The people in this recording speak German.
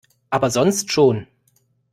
Aber sonst schon.